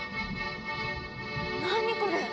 何これ？